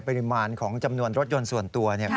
ปริมาณของจำนวนรถยนต์ส่วนตัว